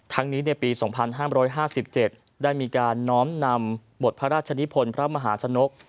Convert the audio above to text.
นี้ในปี๒๕๕๗ได้มีการน้อมนำบทพระราชนิพลพระมหาชนก